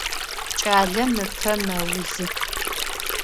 Кӏалэм ыпэ мэузы.